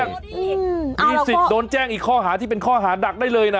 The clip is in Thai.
มีสิทธิ์โดนแจ้งอีกข้อหาที่เป็นข้อหานักได้เลยนะ